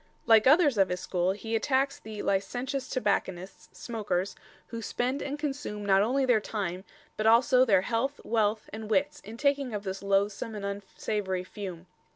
Like others of his school, he attacks the "licentious Tobacconists [smokers] who spend and consume, not only their time, but also their health, wealth, and witts in taking of this loathsome and unsavorie fume."